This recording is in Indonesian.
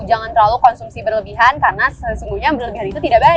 jangan terlalu konsumsi berlebihan karena sesungguhnya berlebihan itu tidak baik